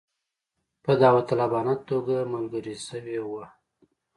په داوطلبانه توګه ملګري شوي وه.